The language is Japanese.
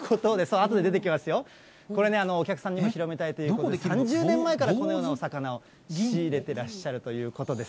あとで出てきますよ、これね、お客さんにも広めたいということで、３０年前からこのようなお魚を仕入れてらっしゃるということです。